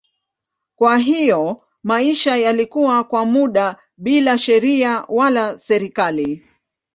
Kwa hiyo maisha yalikuwa kwa muda bila sheria wala serikali.